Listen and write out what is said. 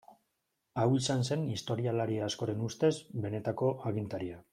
Hau izan zen, historialari askoren ustez, benetako agintaria.